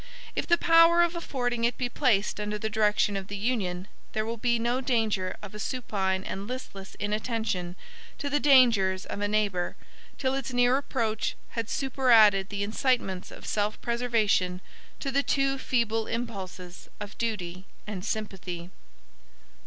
If the power of affording it be placed under the direction of the Union, there will be no danger of a supine and listless inattention to the dangers of a neighbor, till its near approach had superadded the incitements of self preservation to the too feeble impulses of duty and sympathy.